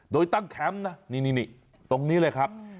โดยตั้งแคมป์นะนี่ตรงนี้เลยครับ